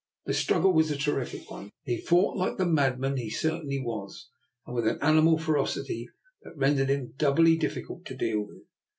The struggle was a terrific one. He fought like the madman he certainly was, and with an animal ferocity that rendered him doubly difficult to deal with.